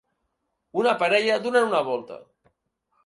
Una parella donant una volta.